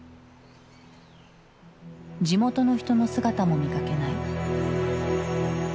地元の人の姿も見かけない。